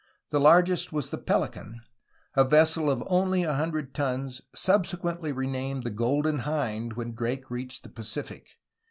The largest was the Pelican, a vessel of only a hundred tons, subsequently renamed the Golden Hind when Drake reached the Pacific.